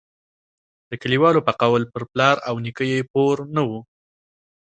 د کلیوالو په قول پر پلار او نیکه یې پور نه وو.